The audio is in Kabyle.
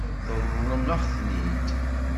Tṛeḍlem-aɣ-ten-id?